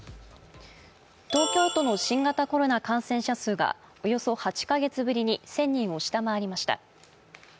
東京都の新型コロナ感染者数がおよそ８か月ぶりに１０００人を下回りました。